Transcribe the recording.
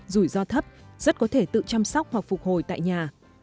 rủi ro thấp rất có thể tự chăm sóc hoặc phục hồi tại nhà